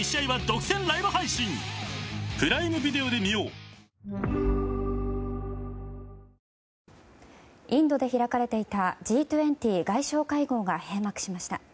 東京海上日動インドで開かれていたＧ２０外相会合が閉幕しました。